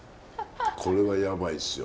これはやばいっすよ